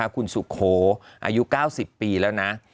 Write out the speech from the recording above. คุณสุโขอายุ๙๐ปีแล้วนะ